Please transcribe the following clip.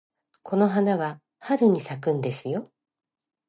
この花は春に咲くんですよ。